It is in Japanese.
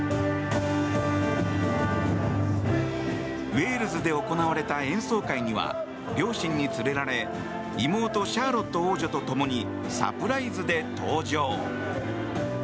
ウェールズで行われた演奏会には両親に連れられ妹シャーロット王女と共にサプライズで登場。